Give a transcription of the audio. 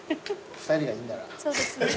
２人がいいんなら。